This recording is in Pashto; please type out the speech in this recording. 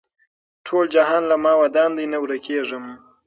ټول جهان له ما ودان دی نه ورکېږم